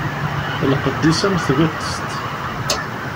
Lqedd-is am tbiqest.